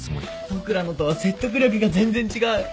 僕らのとは説得力が全然違う。